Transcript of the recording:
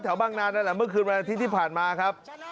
บางนานนั่นแหละเมื่อคืนวันอาทิตย์ที่ผ่านมาครับ